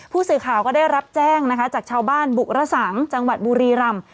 ผู้สื่อข่าวก็ได้รับแจ้งนะคะจากชาวบ้านบุระสังจังหวัดบุรีรำ